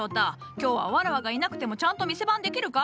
きょうはわらわがいなくてもちゃんと店番できるか？